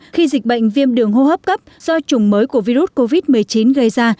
khi dịch bệnh viêm đường hô hấp cấp do chủng mới của virus covid một mươi chín gây ra